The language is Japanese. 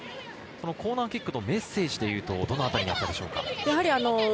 コーナーキックのメッセージというと、どのあたりでしょうか？